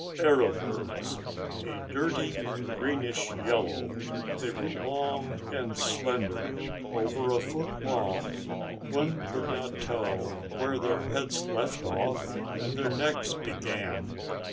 Arrow birds! A dirty greenish yellow, they were long and slender, over a foot long. One could not tell where their heads left off and their necks began.